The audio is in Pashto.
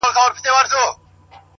• را سهید سوی، ساقي جانان دی.